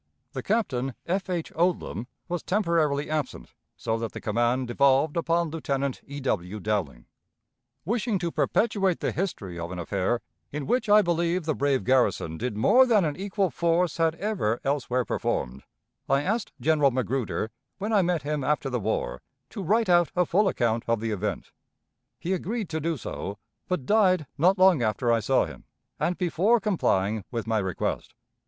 The captain, F. H. Odlum, was temporarily absent, so that the command devolved upon Lieutenant E. W. Dowling. Wishing to perpetuate the history of an affair, in which I believe the brave garrison did more than an equal force had ever elsewhere performed, I asked General Magruder, when I met him after the war, to write out a full account of the event; he agreed to do so, but died not long after I saw him, and before complying with my request.